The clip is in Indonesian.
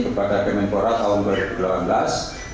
kepada kementerian pundan olahraga tahun dua ribu delapan belas